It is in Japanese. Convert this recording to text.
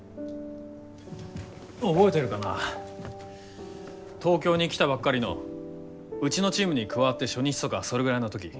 覚えてるかな東京に来たばっかりのうちのチームに加わって初日とかそれぐらいの時。